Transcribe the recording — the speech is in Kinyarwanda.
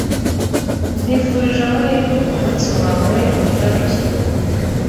nkwifurije amahirwe kumunsi wawe wihariye